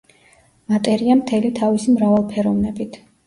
მატერია მთელი თავისი მრავალფეროვნებით.